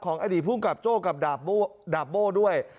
อดีตภูมิกับโจ้กับดาบโบ้ด้วย